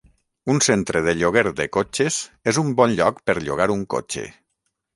Un centre de lloguer de cotxes és un bon lloc per llogar un cotxe